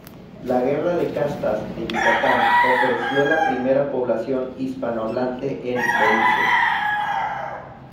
La Guerra de Castas de Yucatán ofreció la primera población hispanohablante en Belice.